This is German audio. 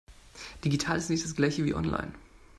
Digital ist nicht das Gleiche wie online.